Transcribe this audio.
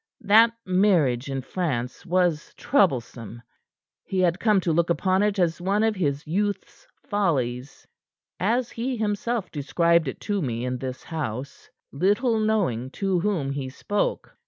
That marriage in France was troublesome. He had come to look upon it as one of his youth's follies as he, himself, described it to me in this house, little knowing to whom he spoke.